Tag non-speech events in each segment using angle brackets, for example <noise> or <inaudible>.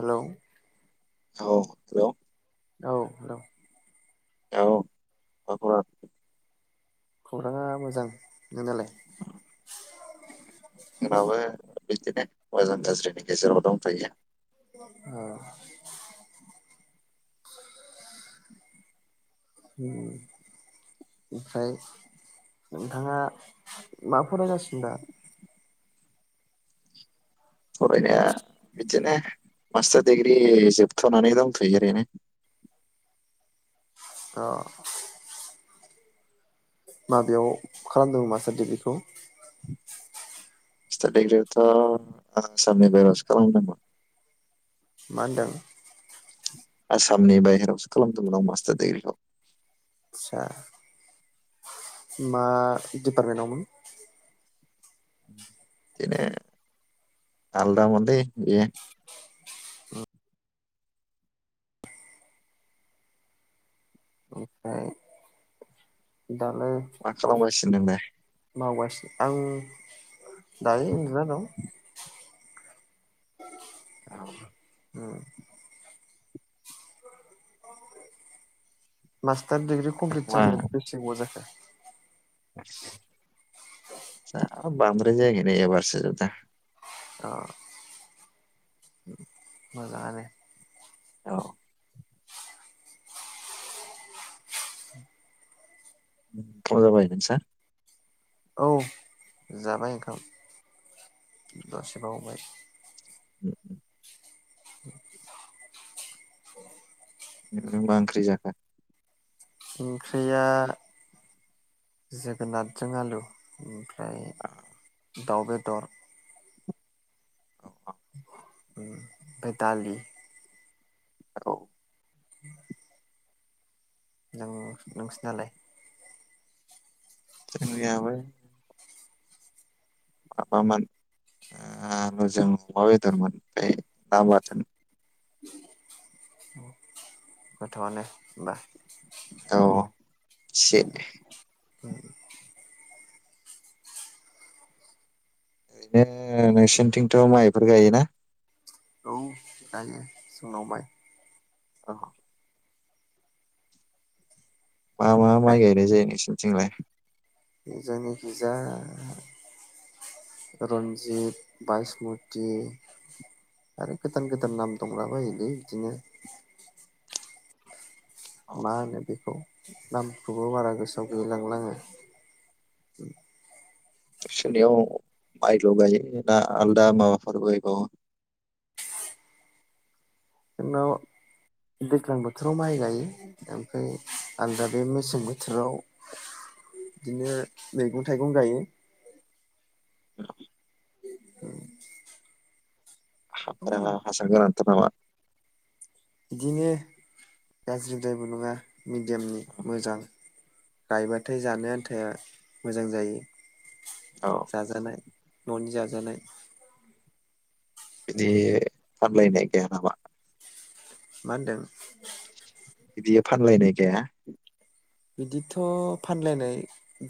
हेल' औ औ हेलौ औ मा खौरां खौरांङा मोजां नोंनालाय <unintelligible> बिदिनो मोजां गाज्रिनि गेजेराव दंफायो औ ओमफ्राय नोंथाङा मा फराय गासिनो दा फरायनाया बिदिनो मास्टार डिग्रि जोबथ'नानै दंथ'यो ओरैनो अ माबेयाव खालामदोंमोन मास्टार डिग्रिखौ मास्टार डिग्रिखौ थ' आसामनि बाहेराव सो खालामदों मोन मा होनदों। आसामनि बाहेरावसो खालामदोंमोन आं मास्टार दिग्रिखौ आदसा मा डिपार्टमेन्टावमोन। <unintelligible> आलदा मोन्दै बियो। दालै। सिन थांबाय। मावगासिनो आं दायो उन्दुना दं औ ओम मास दा डिग्रि कमप्लिट जानाया बेसे गोबाव जाखो। बास जा बांद्राय जायिनाया एबारसो दा। अ ओम मोजाङानो। औ ओमथ जाबायमोन सा। औ जाबाय ओंखाम दसेबावबाय। <unintelligible> <unintelligible> नों मा ओंख्रि जाखो। ओंख्रिया जोगोनादजों आलु ओम। <unintelligible> दाउ बेदर। औ। ओम फाय दालि। औ। <inaudible> नों नोंसोनालाय। जोंनियाबो। माबामोन ओ आलु जों अमा बेदरमोन फाय ना बाथोन। गोथावानो ओमबा। औ ओ। सेद। ओम। ओरैनो नोंसोरनिथिंथ' माइफोर गायोना? औ गायो जोंनाव माय। औ। मा मा माइ गायनाय जायो नोंसोन थिंलाय। जोंनिखिजा रन्जित बायसमुति आरो गोदान गोदान नाम दंला बायोलै इदिनो। औ मा होनो बेखौ। नामखौबो बारा गोसोआव गोैलैलांला आंङो। नोंसोरनियाव माइल गायोना आलदा माबाफोर गायबावो। जोंनाव दैज्लां बोथोराव माइ गायो ओमफ्राय आलादा बे मेसें बोथोराव बिदिनो मैगं थाइगं गायो। <unintelligible> ओ हाब्राङा हासार गोनांथार नामा इदिनो गाज्रिदायबो नङा। मिडियामनि, मोजां। गायबाथाय जानो आन्थाया मोजां जायो। औ जाजानाय न'नि जाजानाय। बिदि आग्लायनाय गाया नामा? मा होनदों? बिदि फानलानाय गैया? बिदिथ' फानलायनाय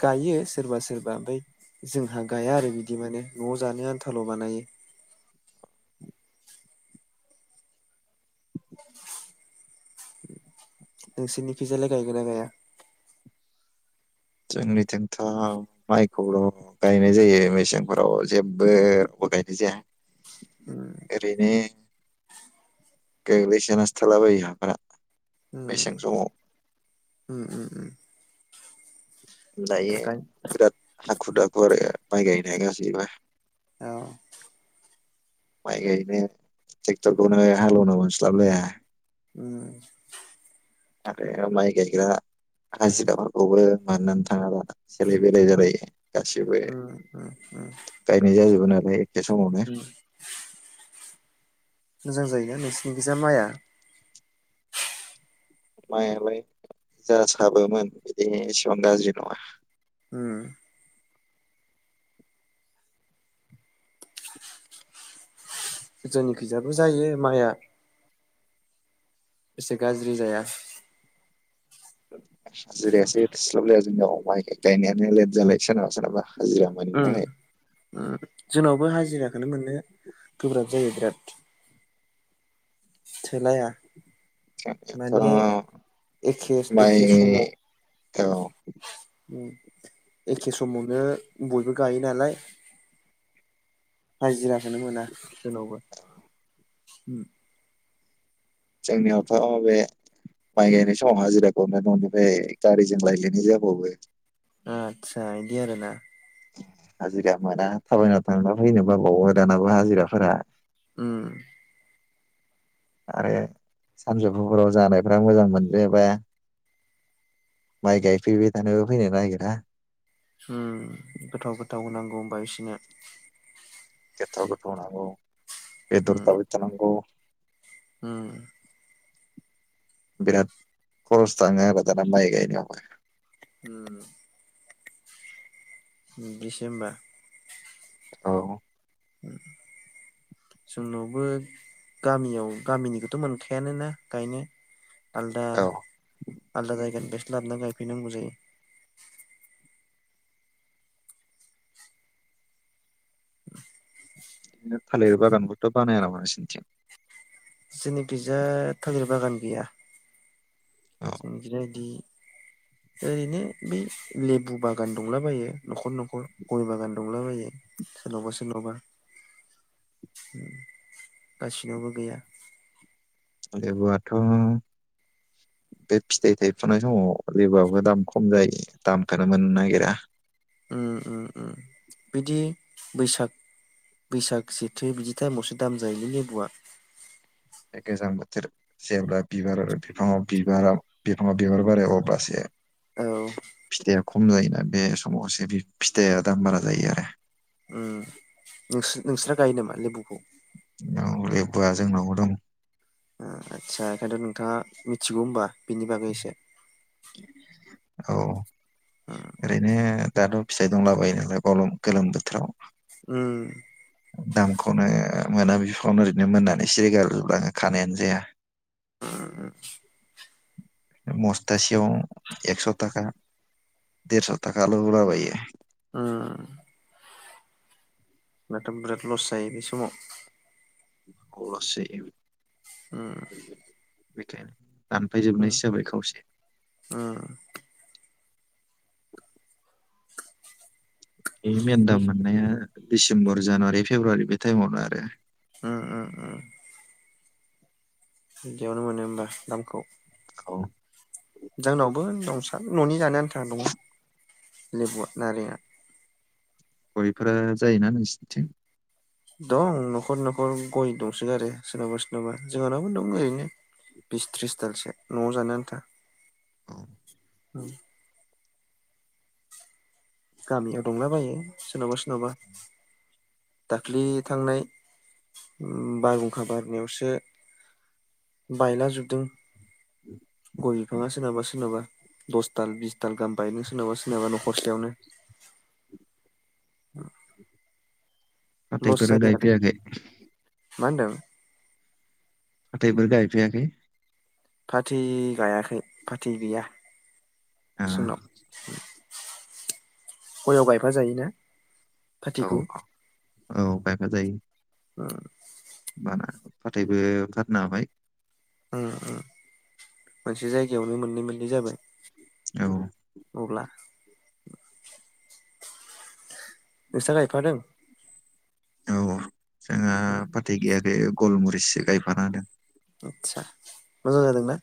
गायो सोरबा सोरबा ओमफ्राय जोंहा गाया आरो बिदि माने न'आव जानो आन्थाल' बानायो। <inaudible> नोंसोरनि खैजालाय गायगोन ना गाया? जोंनिथिंथ' माइखौल' गायनाय जायो मेसेंफोराव जेबो रावबो गायनाय जाया उम ओरैनो, गोग्लैसोनोनसथालाबायो हाफोरा। उम मेसें समाव <inaudible> उम उम उम। दायो गाय बिराद हाखु दाखु आरो। माइ गायनाया गसिबा। औ माइ गायनो टेक्टरखौनो हालेवनो मोनस्लाबलाया। उम। आरो माइ गायग्रा हाजिराफोरखौबो मोननोनो थाङा दा सेलाय बेले जालायो गाससिबो उम उम उम <inaudible> गायनाय जायो। ज'नालाय एखे समावनो। <inaudible> उम मोजां जायोना नोंसिनि खिजा माइआ? माइयालाय जा साबोमोन बिदि एसेबां गाज्रि नङा। उम जोंनिखैजायाबो जायो माइआ। एसे गाज्रि जाया। <inaudible> हाजिरायासो थोस्लाब लाया। जोंनाव माइ <unintelligible> नो लेट जालायो सोरनाबा सोरनाबा हाजिरा मोनैनि उम थाखाय <inaudible> उम जोंनावबो हाजिराखौनो मोनो गोब्राब जायो बिराद। थोलाया। माने <unintelligible> एखे माइ एखे समाव अ <inaudible> एखे समावनो बयबो गायो नालाय <inaudible> हाजिरा खोनो मोना जोनावबो उम जोंनियावथ' बे माइ गायनाय समावहाय हाजिरा खौनौ न'निफ्राय गारिजों लायलायनाय जाबावो। आतसा बिदि आरो ना? हाजिरा मोना थाबायना थांना फैनो बाबावो दानाबा हाजिराफोरा। ओम। आरो <inaudible> सानजुफुफोराव जानायफोरा मोजां मोनजायाबा <inaudible> माइ गायफैबाय थानोबो फैनो बायो ना। ओम गोथाव गोथाव होनांगौ होमबा बिसनो <unintelligible> बेदर जाबाय थानांगौ। ओम बिराद खरस थांग बा दाना माय गाय नायावबो होम बिदिसोओमबा? औ जोंनावबो गामियाव गामिनिखौथ' मोनखायानोना गायनो। आलदा औ आलदा जायगानि बेस लाबोना गायफैनांगौ जायो। <unintelligible> बिदिनो थालिर बागानखौथ' बानाया नामा नोंसोरनिथिं? जोंनिखिजा थालिर बागान गैया। औ जोंनिथिंजाय बिदि ओरैनो बे लेबु बागान दंलाबायो न'खर न'खर गय बागान दंलाबायो सोरनावबा सोरनावबा, गासिनावबो गैया। लेबुआथ' बे फिथाइ थाइफुनाय समाव लेबुआबो दाम खम जायो दामखौनो मोननो नागिरा ओम ओम ओम बिदि बैसाग बैसाग जेथो बिदि टाइमावसो दाम जायोलै लेबुआ। गोजां बोथोर जेब्ला बिबार आरो बिफाङाव बिबारा बिफाङाव बिबार बारो अब्लासो औ फिथायाइया खम जायोना बे समावसो फिथाइया दाम बारा जायो आरो। नोंस नोंसोरा गायो नामा लेबुखौ? औ लेबुया जोंनाव दं। ओ आदसा ओंखायनोथ' नोंथाङा मिथिगौ होनोमबा बिनि बागैसे औ ओरैनो दाथ' फिथाइ दंला बायो नालाय गरम गोलोम बोथोराव। ओम दामखौनो मोना बिफ्रावनो ओरैनो मोननानै सिरि गारजोबलाङो। <unintelligible> बस्थासेयाव एकस' थाखा देरस' थाखाल' होलाबायो। ओ माथो बिराद लस जायो बे समाव <unintelligible> <unintelligible> बिखेनो <unintelligible> उम दानफायजोबनायसो जाबाय खावसे। उम ए मेनदा मोननाया दिडिसेम्बर जानुवारि फेब्रुवारि बे टाइमावनो आरो ओ-ओ -ओ इयावनो मोनो होनबा सिथामखौ औ जोंनावबो दंसा न'नि जानायानो था दंङ लेबुआ नारेंया गय'फोरा जायोना नोंसिथिं दं नखर नखर गय दंसो आरो सोरनावबा सोरनावबा जोंहानावो दं ओरैनो बिस, थ्रिस दालसो न'आव जानो आन्था औ औ गामियाव दंलाबायो सोरनावबा सिनावबा दाख्लै थांनाय बायहुंखा बारनायावसो बायलाजोबदों गय बिफांङा सोरनाबा सोरनावाबा दसथाल, बिसथाल गाहाम बायदों सोरनावबा सोरनाबा नखरसेयावनो <inaudible> लस फाथैफोर जायो आरो गायफेयाखै मा होनदों फाथैफोर गायफायाखै फाथै गायाखै फाथै गैया आ, सोंनाव गय आव गायफा जायोना औ फाथैखौ औ गायफा जायो। ओ बाना फाथैबो फाननो हाबाय ओ ओ मोनसे जायगायावनो मोननै मोननै जाबाय औ अब्ला <inaudible> नोंस्रा गायफादों औ जोंहा फाथै गैयाखै गलमु इसे गायफाना होदों आथसा मोजां जादों ना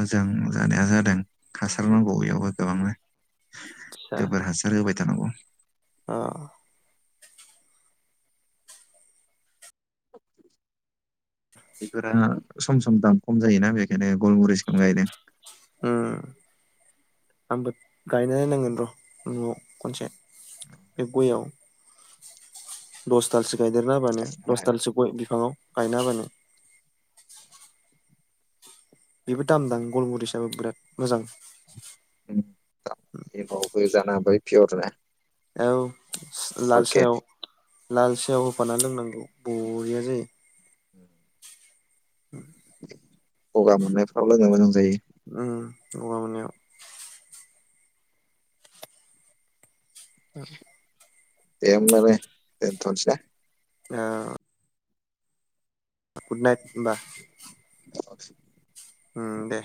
मोजां जानाया जादों। हासार नांगौ एयावबो गोबांनो गोबोर हासारहोबाय जानांगौ औ बेफोरानो सम सम दाम खम' जायोना बेखायनो गलमुरिसखौनो गायदों उम। आंबो गायना नांगोन र' न'आव खनसे बे गयआव दस दाल सो गायदेरना होबानो दसदालसो गय बिफांङाव गायनाबानो बेबो दामदां गलमुरिसाबो बिराद मोजां <unintelligible> एबावबो जाना <unintelligible> औ। लाल सायाव लाल सायाव होफानानानै लोंनांगौ बरिया जायो। उ <unintelligible> गगा मोननायफ्राव लोंनो मोजां जायो। उम गगा मोनायाव। <unintelligible> ए होबालाय दोनथ'सै। <unintelligible> गुड नाइट होनबा। <unintelligible> ओम दे।